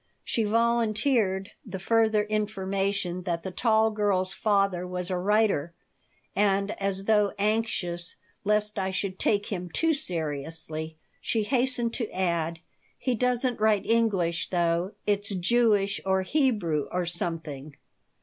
She volunteered the further information that the tall girl's father was a writer, and, as though anxious lest I should take him too seriously, she hastened to add: "He doesn't write English, though. It's Jewish, or Hebrew, or something."